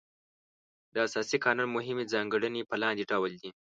د اساسي قانون مهمې ځانګړنې په لاندې ډول دي.